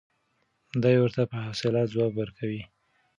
دی ورته په حوصله ځواب ورکوي.